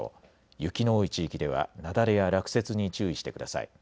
雪の多い地域では雪崩や落雪に注意してください。